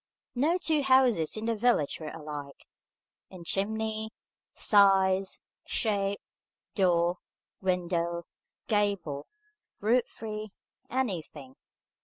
No two houses in the village were alike, in chimney, size, shape, door, window, gable, roof tree, anything.